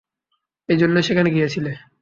এজন্যই সেখানে গিয়েছিলে?